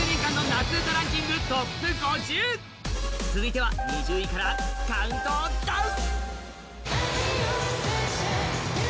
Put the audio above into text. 続いては２０位からカウントダウン！